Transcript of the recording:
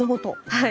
はい。